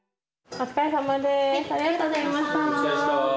お疲れさまでした。